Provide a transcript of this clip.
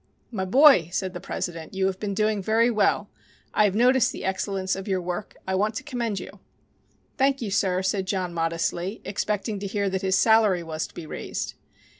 "My boy," said the president, "you have been doing very well. I have noticed the excellence of your work. I want to commend you." "Thank you, sir," said John modestly, expecting to hear that his salary was to be raised.